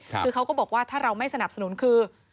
คือเขาก็บอกว่าถ้าเราไม่สนับสนุนคือ